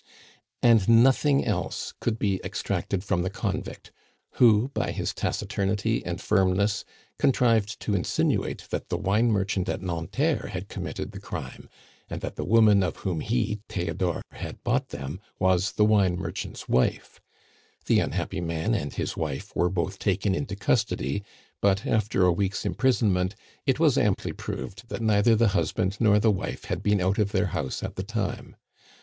And nothing else could be extracted from the convict, who, by his taciturnity and firmness, contrived to insinuate that the wine merchant at Nanterre had committed the crime, and that the woman of whom he, Theodore, had bought them was the wine merchant's wife. The unhappy man and his wife were both taken into custody; but, after a week's imprisonment, it was amply proved that neither the husband nor the wife had been out of their house at the time.